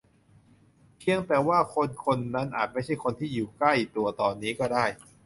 เพียงแต่ว่าคนคนนั้นอาจไม่ใช่คนที่อยู่ใกล้ตัวตอนนี้ก็ได้